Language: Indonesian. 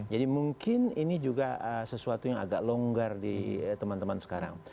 jadi mungkin ini juga sesuatu yang agak longgar di teman teman sekarang